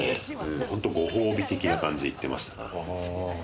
本当にご褒美的な感じでいってましたね。